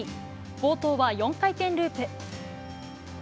冒頭は４回転ループ。